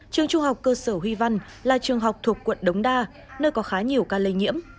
trường trung học cơ sở huy văn là trường học thuộc quận đống đa nơi có khá nhiều ca lây nhiễm